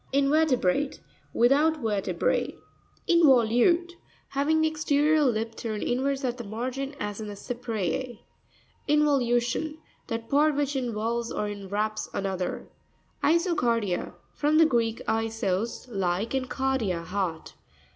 InvE'RTEBRATE.— Without vertebra. In'voLtutre.—Having the exterior lip turned inwards at the margin, as in the Cypree. Invoxvu'tion.—That part which in volves or inwraps another. Iso'carpia.—From the Greek, isos, like, and kardia, heart.